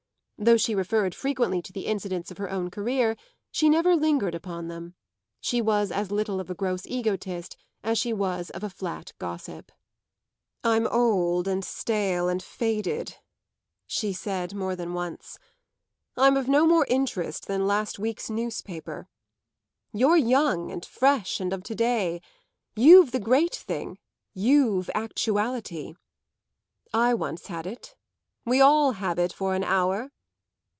Though she referred frequently to the incidents of her own career she never lingered upon them; she was as little of a gross egotist as she was of a flat gossip. "I'm old and stale and faded," she said more than once; "I'm of no more interest than last week's newspaper. You're young and fresh and of to day; you've the great thing you've actuality. I once had it we all have it for an hour.